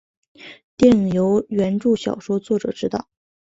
电影由原着小说作者执导。